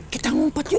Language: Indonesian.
kita ngumpet yuk